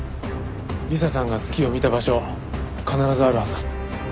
理彩さんが月を見た場所必ずあるはずだ。